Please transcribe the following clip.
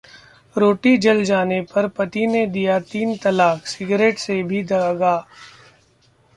रोटी जल जाने पर पति ने दिया तीन तलाक, सिगरेट से भी दागा